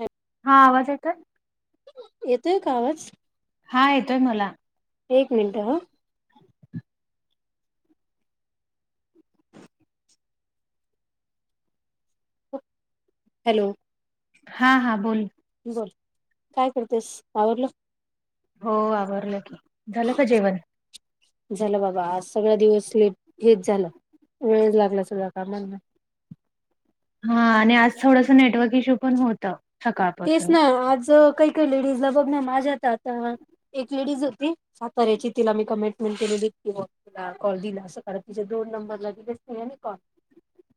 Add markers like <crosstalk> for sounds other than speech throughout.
Hello हां आवांज येतोय आहे? येतोय कां आवांज? हां येतोय मलां. एक मिनिटं हं हॅलो हां हां बोलं- बोलं कायं करतेस आवरलं. हो आवरलं की झालं कां जेवणं? झालं बाबां आंज सगळां दिवसं ले हे झालं वेळं लागंला सगळ्यां कामांना. हां आणि आंज थोडंसं नेटवर्क इश्यूं पणं होतं. तेचं नां आंज कांहीं कांहीं लेडीजला बघं नां माझ्यांत आंता एक लेडीज होती साताऱ्यांची तिला मी कमिटमेंट केलेली की बां- तुलां कॉल दिलां असं कारणं तिच्यां दोन नंबरला गं दिलेचं नाहीं आणि कॉल,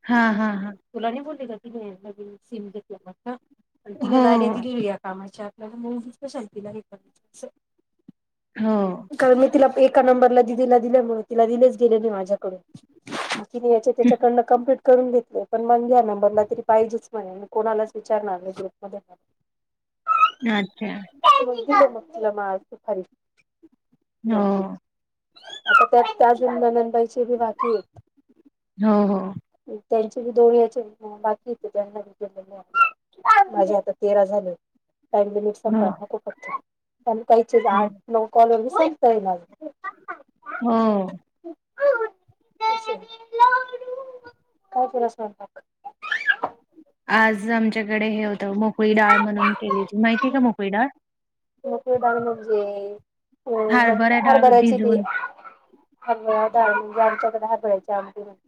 हां हां हां तुलां नाहीं बोलली कां तुमची सीम घेतं- आणि तिने हो जां गांडी दिलेली यां कामांची आपल्यांला मगं उगीच कशां तिलां तिलां हे करायचं हम्मं कारणं मी तिला एकां नंबरला दिदीला दिल्यांमुळे म्हं तिलां दिलेचं गेले नाहीं माझ्यांकडूंन यांचे त्यांच्याकडुंन कंप्लिट करूंन घेतले पणं मगं यां नंबरला तरी पाहिजेच म्हणे मं कोणांलाचं विचारणांरे अ <unintelligible> अच्छा! लां सुपारी हो दोन तीनं आंत त्यांत त्यां अजूंन नंदनबाईची बाकी येतं हो हो. त्यांचे दोळ्यांचे बाकी येतं त्यांना केलेले माझे आंता तेरां झाले टाईम लिमिट हो संप खूपचं कांहीं हो. आंठ नऊ कॉल उचलतांच ये नां मलां हम्मं काय तलास म्हणतात आज आमच्याकडे हे होतं मोकळी डाळ म्हणून केलीली माहितीय आहे का मोकळी डाळ मोकळी डाळ म्हणजे हरभरा डाळ हरबरायची बी भिजवून हरभरा डाळ म्हणजे आमच्याकडे हरभराची आमटी म्हणतात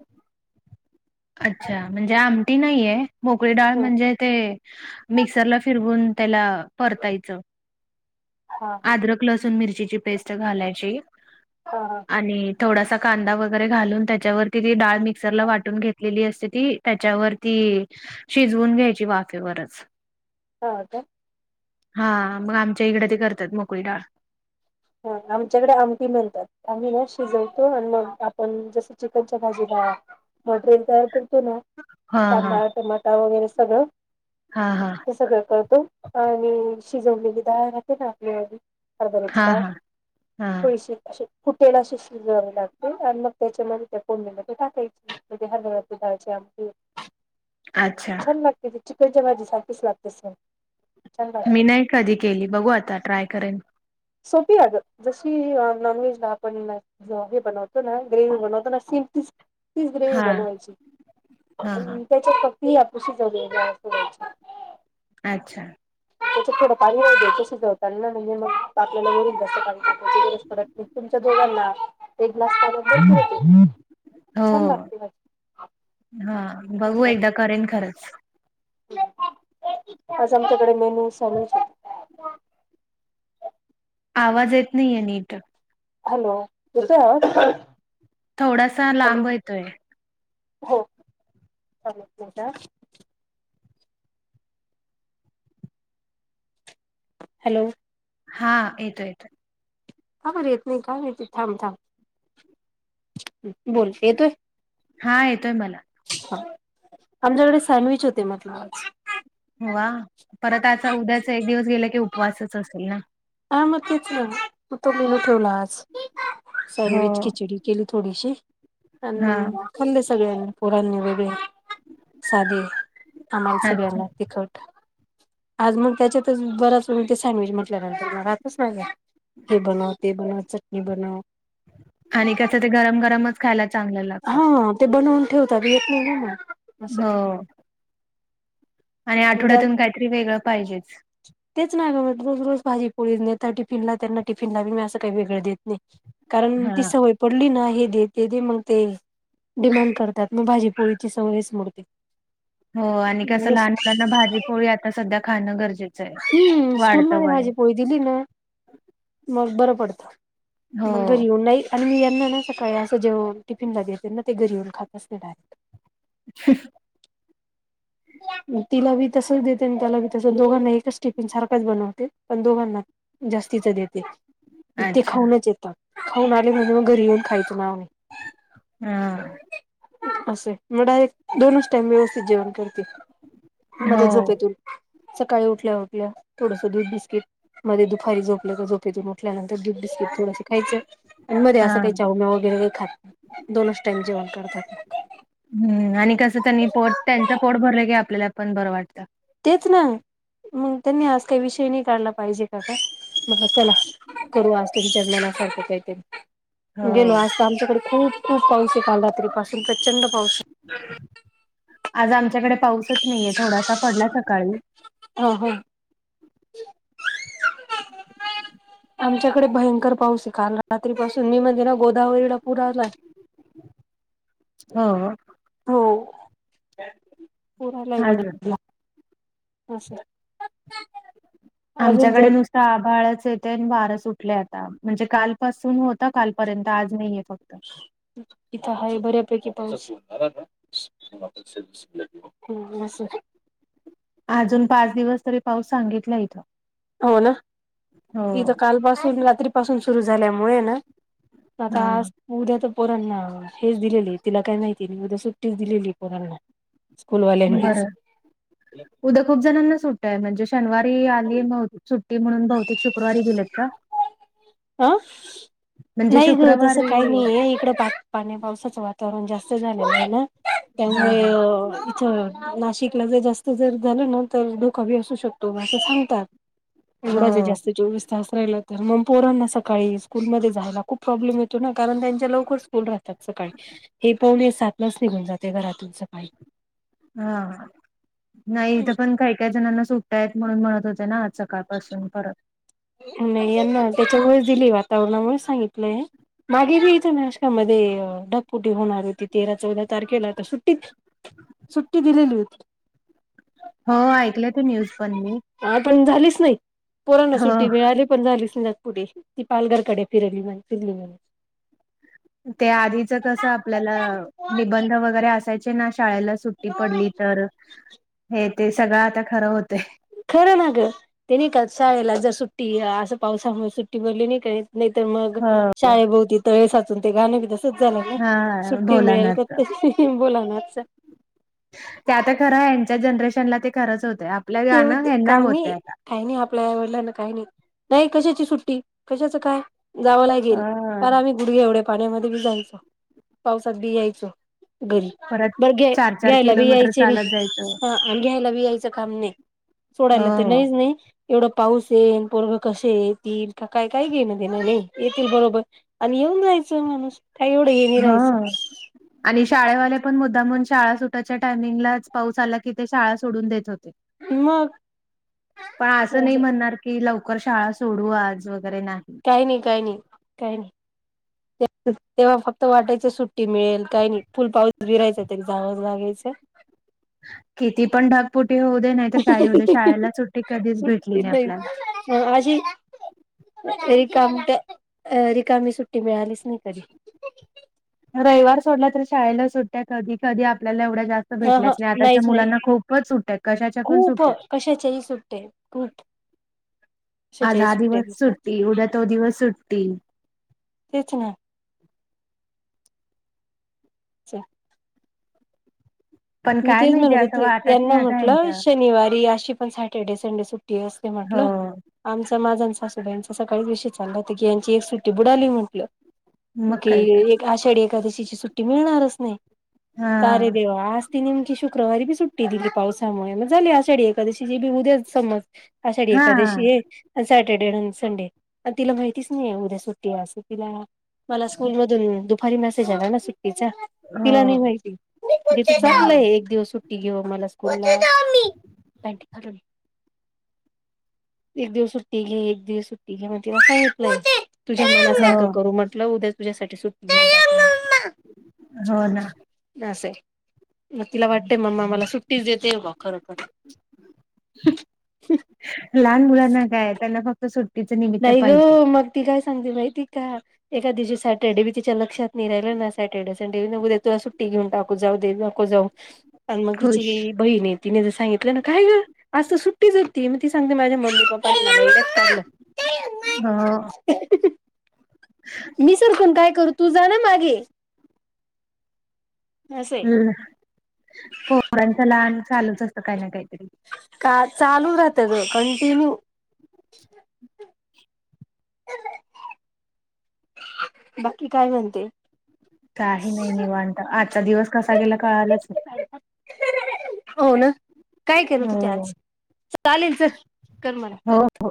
अच्छा म्हणजे आमटी नाहीये मोकळी डाळ ह म्हणजे ते मिक्सरला फिरवून त्याला परतायचं हा हा. अद्रक लसूण मिरचीची पेस्ट घालायची हा हा आणि थोडासा कांदा वगैरे घालून त्याच्यावरती ती डाळ मिक्सरला वाटून घेतलेली असते ती त्याच्यावरती शिजवून घ्यायची वाफेवरच हो का हा मग आमच्या इकडे ते करतात मोकळी डाळ ह आमच्याकडे आमटी म्हणतात आम्ही ना शिजवतो आणि मग आपण जसं चिकनच्या भाजीला मटरियल तयार करतो ना हा हा कांदा टमाटा वगैरे सगळं हा हा ते सगळं करतो आणि शिजवलेली डाळ राहते ना आपली हां हा हा थोडीशी कुटेला अशी शिजवावे लागते आणि मग त्याच्यामध्ये त्या फोडणीमध्ये टाकायची कधी हरभऱ्या डाळीची आमटी अच्छा कशी चिकनच्याबाजी सारखच लागते अस मी नाही कधी केली बघू आता ट्राय करेन सोपी आहे जशी नॉनव्हेज ला आपण जेव्हा मी बनवतो ना ग्रेव्ह बनव ना सिम तीज ग्रेवी हा बनवायची हा हा आणि त्याच्यात फक् हतशी जगलेली आहे स अच्छा त्याच्या थोडं पाणी शिजवताना म्हणजे मग आपल्याला वरून जास्त पाणी टाकण्याची गरज पडत नाही तुमच्या दोघांना एक ग्लास पाणी भरपूर होतेय हो हा बघू असं एकदा करेन खरंच आज आमच्याकडे मेनू सॅडविच आवाज येत नाहीे नीट हॅलो येतोय आवाज थोडासा हॅलो लांब येतोय हो थांब एक मिनिट आ हॅलो हा येतो येत काबर येत नाही काय माहित थांब थांब बोल येतोय हा येतोय मला आमच्याकडे सँडविच होते म्हटलं वा परत आता उद्याचा एक दिवस गेल की उपवासच असेल ना हा मग तेच ना मग तो मेनू ठेवला आज हो सँडविच खिचडी केली थोडीशी आणि हा मग खाल्ले सगळ्यांनी पोरांनी वेगळे साधे आम्हाला अच्छा सगळ्यांना तिखट आज मग त्याच्यातच बराच म ते सॅडविच म्हटलं राहतच नाही हे बनव ते बनव चटणी बनव आणि कसं ते गरम गरमच खायला चांगलं लागतं. हा ते बनवून ठेवता, येत नाही ना म. हो. आणि म्हणजे आठवड्यातून काहीतरी वेगळं पाहिजेच. तेच नाही बाबा मग रोज-रोज भाजी पोळी न देता टिफिनला त्यांना टिफिनला मी असं काही वेगळं देत नाही. कारण हा ती सवय पडली ना, हे दे ते दे मग ते डिमांड करतात मग भाजीपोळीची सवयच मोडते. हो आणि कसं मग लहान मुलांना भाजीपोळी आता सध्या खाणं गरजेचं आहे. हम्म, वाढतं स्कूलमध्येध्ये वय माझी पोळी दिली ना, मग बरं पडत, हो मग घरी येऊन नाही आणि मी यांना ना सकाळी असं जेव टिफिनला दि त्यांना ते घरी येऊन खातच नाही डायरेक्ट. ह तिला बी तसच देते, आणि त्याला बी तस, दोघांना एकच टिफिन सारखंच बनवते, पण दोघांना जास्तीच देते ते अच्छा खाऊनच येतात, खाऊन आले म्हणजे मग घरी येऊन खायचं नाव नाही. हम्म. असे, मग डायरेक्ट दोनच टाइम व्यवस्थित जेवण करते. हो मध्ये झोपेत सकाळी उठल्या-उठल्या थोडस दूध बिस्किट मध्ये दुपारी झोपल्या झोपेतून उठल्यानंतर दूध बिस्किट थोडंस खायचं मध्ये हा असं काही चावन्या वगैरे नाही खात, दोनच टाईम जेवण करतात. हम्म, आणि कसं त्यांनी पोट, त्यांच पोट भरलंय की आपल्याला पण बरं वाटतं. तेच ना, मग त्यांनी आज काही विषय नाही काढला पाहिजे का काय मग चला, करू आज तुमच्या मनासारखं काहीतरी, गेलो हो आज तर आमच्याकडे खूप-खूप पाऊस आहे. काल रात्री पासून प्रचंड पाऊस आहे. आज आमच्याकडे पाऊसच नाहीये, थोडासा पडला सकाळी. हो-हो. <inaudible> आमच्याकडे भयंकर पाऊस आहे. काल रात्रीपसून मी म्हणजे ना गोदावरीला पूर आलाय. हो. हो, पुर आलंय आज गोदावरीला. अशा. आमच्याकडे नुसत आभाळच येते, आणि वार सुटले आता म्हणजे कालपासून होत कालपर्यंत आज नाहीये फक्त. इथं आहे बऱ्यापैकी पाऊस. हम्म, असूदे. अजून पाच दिवस तरी पाऊस सांगितला इथं. हो ना, हो इथ कालपासून, रात्रीपासून सुरू झाल्यामुळे ना आता हा. आज उद्या तर पोरांना हेच दिलेले आहे. तिला काय माहिती नाही, उद्या सुट्टीच दिलेली आहे पोरांना. स्कूलवाल्यांनीच बरं. उद्या खूप जणांना सुट्ट्या आहे. म्हणजे शनिवारी आली सुट्टी म्हणून बहुतेक शुक्रवारी दिलेत का? <unintelligible> अ, म्हणजे नाही ग तस काही शुक्रवारी नाही आहे, इकड पा पाण्या पावसाचं वातावरण जास्त झालेलं म्हण, हा त्यामुळे हा इथ नाशिकला जर जास्त जर झालं ना, तर धोका बी असू शकतो असं सांगतात. एवढा हो. ज जास्त चोवीस तास राहिला तर मग पोरांना सकाळी स्कूलमध्ये जायला खूप प्रॉब्लेम येतो ना कारण त्यांच्या लवकर स्कूल राहतात सकाळी हे पावणे सातलाच निघून जाते घरातून सकाळी हा नाही इथं पण काही काही जणांना सुट्टया आहेत म्हणून म्हणत होते ना सकाळपासून परत नाय यांना त्याच्यामुळेच दिली वातावरणामुळे सांगितलंय मागे बी इथ नाशकामध्ये ढगफुटी होणार होती तेरा चौदा तारखेला तर सुट्टीच सुट्टी दिलेली होती हो ऐकले ते न्यूज पण मी हा पण झालीच नाही पोराना हो सुट मिळाले पण झाली ढगफुटी ती पालघरकडे फिरली म्हणे त्या आधीच कसं आपल्याला निबंध वगैरे असायच तेना शाळेला सुट्टी पडली तर हे ते सगळं आता खरं होतंय खरं ना ग ते नायका आसं शाळेला जर सुट्टी असं पावसामुळे सुट्टी भेटली नाय नाही तर मग हो शाळे भोवती तळे साचून ते गाण बी तसं तसंच झालं ना हा सुट्टी बोला ना मिळेल का आता. ते भोलानाथच ते आता खरं हच्या जनरेशनला ते खरंच होतं आपलं ते गाणं होते. ह्याना काही होतं नाही आता काही नाही आपल्या आई वडिलांना काही नाही नाही कशाची सुट्टी कशाचं काय जावं लागेल अ पार आम्ही गुडघे एवढ्या पाण्यामध्ये बी जायचो पावसात बी यायचो घरी परत बरं घ्या चार चार घ्यायला बी किलोमीटर यायचे नाही चालत जायचं हो हा आणि घ्यायला बी यायचं काम नाही सोडायला तर नाहीच नाही एवढं पाऊस येन पोरगं कसे येतील काय काय घेन देना नाही येतील बरोबर आणि येऊन जायच माणूस का एवढ हे हा आणि शाळेवाले पण मुद्दामून शाळा सुटायच्या टायमिंगलाच पाऊस आला की ते शाळा सोडून देत होते. मग पण असं नाही म्हणणार कि लवकर शाळा सोडू आज वगैरे नाही काही नाही काही नाही काही नाही तेव्हा फक्त वाटायच सुट्टी मिळेल काही नाही फुल पाऊस भि राहायचा तरी जावच लागायच किती पण ढागपुटी होऊ दे नाहीतर काही होऊ दे शाळेला सुट्टी कधीच भेटली नाही आपल्याला हा आशी रिकामीट्या रिकामी सुट्टी मिळालीच नाही कधी रविवार सोडला तर शाळेला सुट्ट्या कधी कधी आपल्याला एवढ्या जास्त जास्त ह ह भेटल्याच नाही आताच्या नाहीच नाही मुलांना खूपच सुट्टया आहेत कशाच्यापण खूप सुट्टया कशाच्याही सुट्ट्या आहेत, खूप आज कशाच्याही हा सुट्ट्या दिवस देतात सुट्टी उद्या तो दिवस सुट्टी तेच ना <unintelligible> पण मी काय तेच माहिती म्हणत असं होते वाटत यांना नाही आता म्हटलं यांच्या शनिवारी या शुक पण सॅटर्डे संडे सुट्टी असते हो म्हंटलं आमचा माझा आणि सासूबाईंचा सकाळीच विषय चालला होता की यांची एक सुट्टी बुडाली म्हटलं मग कि काय तर एक आषाढी एकादशीची सुट्टी मिळणारच नाही कारे हा देवा ती नेमकी शुक्रवारी बी सुट्टी दिली पावसामुळे मग झाली आषाढी एकादशी जे बी उद्याच समज आषाढी हा एकादशी आहे सॅटर्डे आणि संडे तिला माहितीच नाही उद्या सुट्टी असं तिला मला स्कूल मधून दुपारी मेसेज आला ना सट्टीचा. हो तिला नाही माहिती. बिस्किट दि कीव बिस्किट हा चगलंय एक दिवस सुट्टी घेऊ आमाला स्कूलला. कुठे जाऊ मी पॅन्ट फाटलेली हाये एक दिवस सुट्टी घेऊ एक दिवस सुट्टी घेऊ म्हणून तिला सांगितलं तुझ्या हो मनासारखं करू म्हटलं उद्या तुझ्यासाठी सुट्टी घेऊ आपन हो ना ह्या साठी मग तिला वाटतेय मम्मा मला देतेन का खरोखर लहान मुलांना काय त्यांना फक्त आता सुट्टीच निमित्त नाही ग पाहिजे मग ती काय सांगते माहिती का एका दिवशी सॅटर्डे बी तिच्या लक्षात नाही राहिलं ना सॅटर्डे संडे मग मी बोलले तिला सुट्टी घेऊन टाक जाऊ दे नको जाऊ आणि मग तिची खुश बहीण आहे तिने जर सांगितलं ना काय ग आज तर सुट्टीच होती मी ती सांगते माझ्या मम्मी पप्पाना मला वेड्यात काढलं मग अह हं हं अहं. मी सरखून काय करू तू जा ना मागे असंय हम्म पोरांचं लहान चालूच असतं काही ना काहीतरी का चालू राहत ग कंटिन्यू बाकी काय म्हणते काही नाही निवांत आजचा दिवस कसा गेला कळालाच नाही हो ना काय करत होती आज हो चालेनच हो हो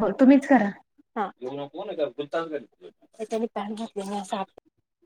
हो तुम्हीच करा हा तेल घातलं ना जरा तर ते चांगली निघतं तर त्यानी पाणी घातलं ना असा